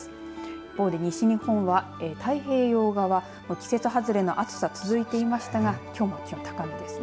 一方で、西日本は太平洋側季節外れの暑さ続いていましたがきょうも気温、高めですね。